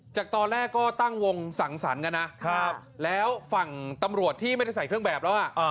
จากตอนแรกก็ตั้งวงสังสรรค์กันนะแล้วฝั่งตำรวจที่ไม่ได้ใส่เครื่องแบบแล้ว